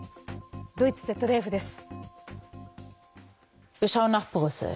ドイツＺＤＦです。